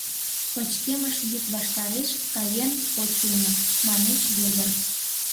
— Пычкемыш йӱд ваштареш каен от сеҥе, — манеш Вӧдыр.